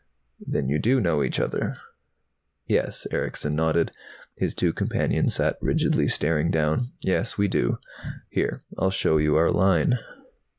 "Then you do know each other." "Yes." Erickson nodded. His two companions sat rigidly, staring down. "Yes, we do. Here, I'll show you our line."